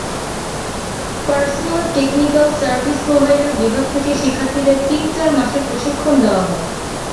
পারসোনার technical service provider বিভাগ থেকে শিক্ষার্থীদের তিন-চার মাসের প্রশিক্ষণ দেওয়া হয়।